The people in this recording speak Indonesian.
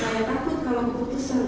saya takut kalau keputusan